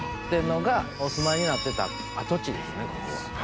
天皇がお住まいになってた跡地ですね。